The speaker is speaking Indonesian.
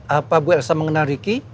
apa bu elsa mengenal ricky